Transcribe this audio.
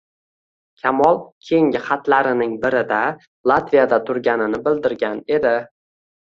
Kamol keyingi xatlarining birida Latviyada turganini bildirgan edi